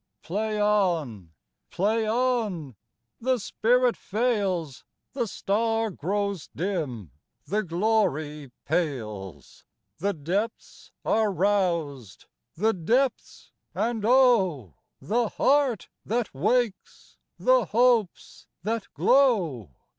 Play on! Play on! The spirit fails, The star grows dim, the glory pales, The depths are roused—the depths, and oh! The heart that wakes, the hopes that glow!